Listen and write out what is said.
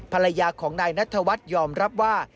ภรรยาของนายนัทวัฒน์ยอมรับว่า